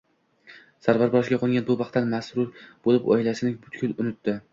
Sarvar boshiga qo`ngan bu baxtdan masrur bo`lib, oilasini butkul unutdi